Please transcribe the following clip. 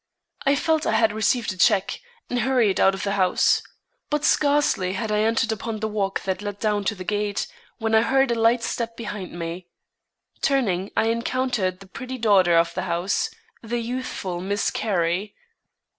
I felt I had received a check, and hurried out of the house. But scarcely had I entered upon the walk that led down to the gate, when I heard a light step behind me. Turning, I encountered the pretty daughter of the house, the youthful Miss Carrie.